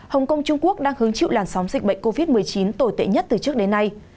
hồng kông trung quốc đang hứng chịu làn sóng dịch bệnh covid một mươi chín tồi tệ nhất từ trước đến nay